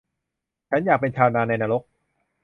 - ฉันอยากเป็นชาวนาในนรก